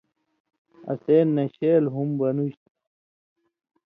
اسے ”نشیل“ ہُم بنُژ تھُو۔